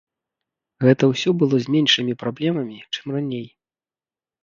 Гэта ўсё было з меншымі праблемамі, чым раней.